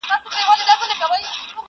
یار د عشق سبق ویلی ستا د مخ په سېپارو کي،